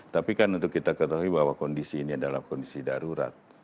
tapi kan untuk kita ketahui bahwa kondisi ini adalah kondisi darurat